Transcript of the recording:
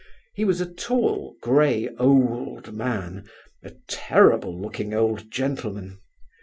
He was a tall, grey old man—a terrible looking old gentleman.